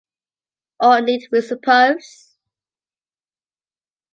Or need we suppose?